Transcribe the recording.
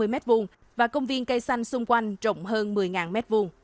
một mươi ba mươi m hai và công viên cây xanh xung quanh rộng hơn một mươi m hai